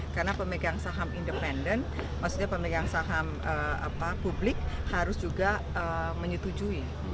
karena pemegang saham independen maksudnya pemegang saham publik harus juga menyetujui